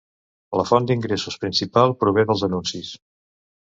La font d'ingressos principal prové dels anuncis.